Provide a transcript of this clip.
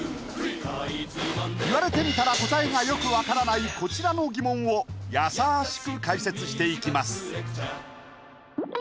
言われてみたら答えがよくわからないこちらの疑問をやさしく解説していきます